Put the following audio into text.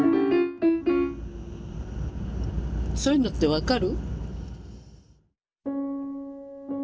そういうのって分かる？